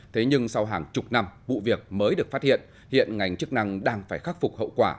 thế nhưng sau hàng chục năm vụ việc mới được phát hiện hiện ngành chức năng đang phải khắc phục hậu quả